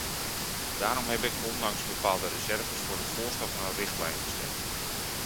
Daarom heb ik, ondanks bepaalde reserves, voor het voorstel voor een richtlijn gestemd.